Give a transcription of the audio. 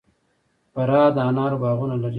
فراه د انارو باغونه لري